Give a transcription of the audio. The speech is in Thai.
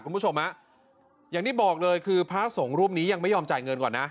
คุณผู้ชมฮะอย่างที่บอกเลยคือพระสงฆ์รูปนี้ยังไม่ยอมจ่ายเงินก่อนนะ